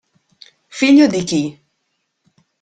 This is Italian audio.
Figlio di chi?